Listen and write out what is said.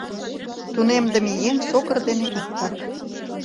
Тунемдыме еҥ сокыр дене иктак.